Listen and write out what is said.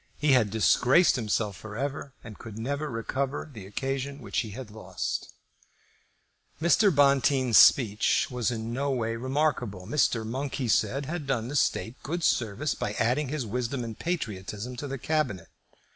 He had disgraced himself for ever and could never recover the occasion which he had lost. Mr. Bonteen's speech was in no way remarkable. Mr. Monk, he said, had done the State good service by adding his wisdom and patriotism to the Cabinet.